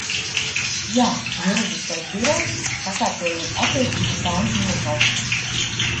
Jā, Juridiskais birojs, sakārtojot attiecīgi pantu nosaukumus.